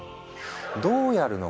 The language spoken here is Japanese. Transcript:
どうやるのか？